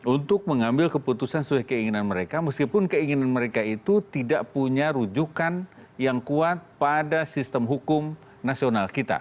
untuk mengambil keputusan sesuai keinginan mereka meskipun keinginan mereka itu tidak punya rujukan yang kuat pada sistem hukum nasional kita